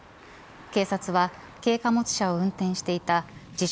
警察は軽貨物車を運転していた自称